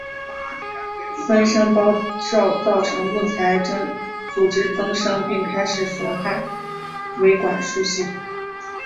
分生孢子造成木材组织增生并开始损害维管束系统。